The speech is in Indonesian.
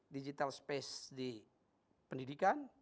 digital space di pendidikan